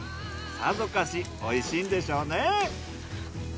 さぞかし美味しいんでしょうね。